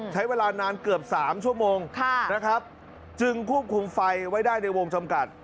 ใช้เวลานานเกือบ๓ชั่วโมงนะครับจึงควบคุมไฟไว้ได้ในวงจำกัด